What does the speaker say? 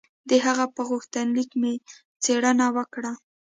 د هغه په غوښتنلیک مې څېړنه وکړه.